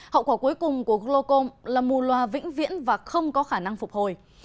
hậu quả cuối cùng của glocom là mù loà vĩnh viễn và không có khả năng phục hồi